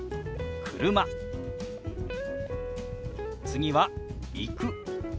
次は「行く」。